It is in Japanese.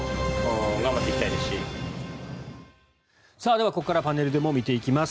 ではここからパネルでも見ていきます。